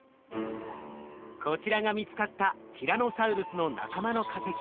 こちらが見つかったティラノサウルスの仲間の化石。